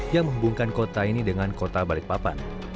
yang menghubungkan kota ini dengan kota balikpapan